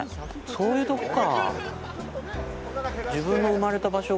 そういうとこかぁ。